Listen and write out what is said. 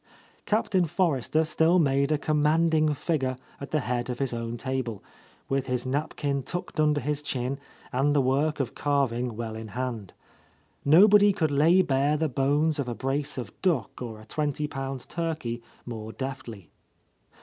Captain Forrester still made a commanding figure at the head of his own table, with his nap kin tucked under his chin and the work of carving well in hand Nobody could lay bare the bones of a brace of duck or a twenty pound turkey more deftly.